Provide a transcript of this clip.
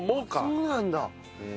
そうなんだ！